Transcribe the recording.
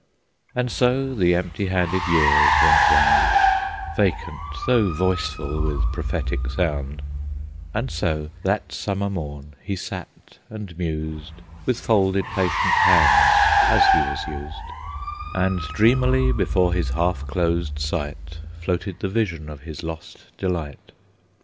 And so the empty handed years went round, Vacant, though voiceful with prophetic sound, And so, that summer morn, he sat and mused With folded, patient hands, as he was used, And dreamily before his half closed sight Floated the vision of his lost delight.